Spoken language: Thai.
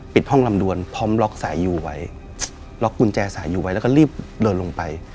ห้องลำดวนพร้อมล็อกสายอยู่ไว้ล็อกกุญแจสายยูไว้แล้วก็รีบเดินลงไป